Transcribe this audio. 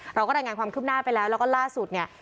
เราก็รายงานความคืบหน้าไปแล้วแล้วก็ล่าสุดเนี่ย